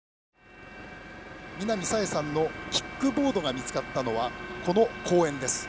南朝芽さんのキックボードが見つかったのは、この公園です。